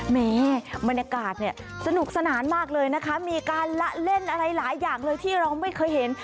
แม้บรรยากาศเนี่ยสนุกสนานมากเลยนะคะมีการละเล่นอะไรหลายอย่างเลยที่เราไม่เคยเห็น